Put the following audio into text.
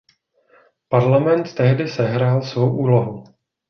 Parlament tehdy sehrál svou úlohu.